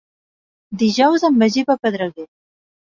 Dijous en Magí va a Pedreguer.